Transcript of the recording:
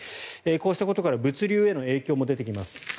こうしたことから物流への影響も出てきます。